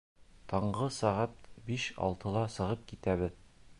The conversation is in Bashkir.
Таңғы сәғәт биш-алтыла сығып китәбеҙ.